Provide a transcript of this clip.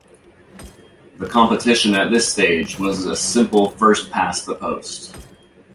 The competition at this stage was a simple first past the post.